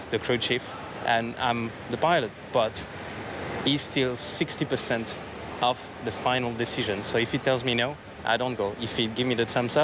หากจะเปรียบแล้วทีมเทคนิคที่ดี